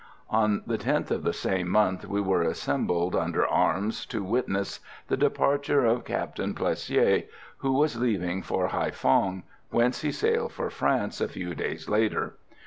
On the 10th of the same month we were assembled under arms to witness the departure of Captain Plessier, who was leaving for Haïphong, whence he sailed for France a few days later.